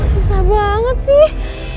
susah banget sih